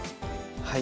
はい。